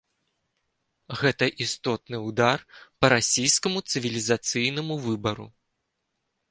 Гэта істотны ўдар па расійскаму цывілізацыйнаму выбару.